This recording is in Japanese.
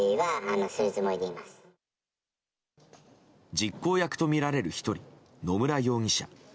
実行役とみられる１人野村容疑者。